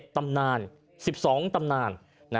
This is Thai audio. ตำนาน๑๒ตำนาน